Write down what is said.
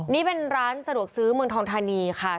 นี่เป็นร้านสะดวกซื้อเมืองทองธานีค่ะ